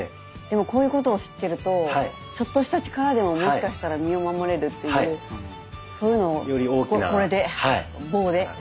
でもこういうことを知ってるとちょっとした力でももしかしたら身を守れるっていうそういうのをこれで棒で。